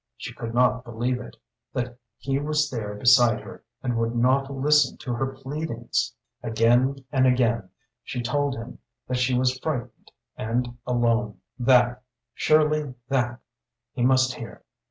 She could not believe it that he was there beside her and would not listen to her pleadings. Again and again she told him that she was frightened and alone; that surely that he must hear.